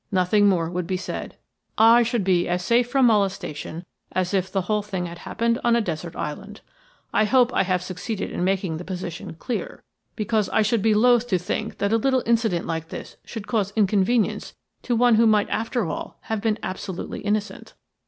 Nothing more would be said. I should be as safe from molestation as if the whole thing had happened on a desert island. I hope I have succeeded in making the position clear, because I should be loth to think that a little incident like this should cause inconvenience to one who might after all have been absolutely innocent."